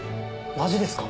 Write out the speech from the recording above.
マジですか？